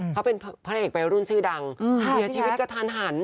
เขาเป็นพระเอกวัยรุ่นชื่อดังเสียชีวิตกระทันหัน